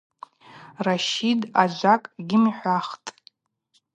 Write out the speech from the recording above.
Ращид ажвакӏ гьйымхӏвахтӏ.